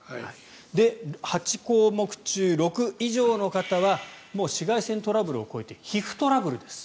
で、８項目中６以上の方は紫外線トラブルを超えて皮膚トラブルです。